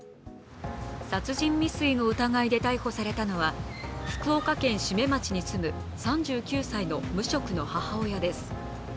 殺人未遂の疑いで逮捕されたのは福岡県志免町に住む３９歳の無職の母親です。